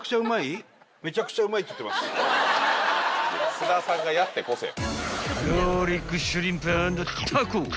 菅田さんがやってこそや。